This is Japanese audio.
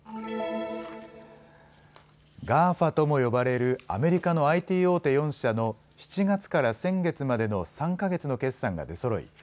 ＧＡＦＡとも呼ばれるアメリカのＩＴ大手４社の７月から先月までの３か月の決算が出そろい